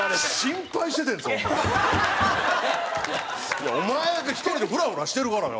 「いやお前だけ１人でフラフラしてるからよ」。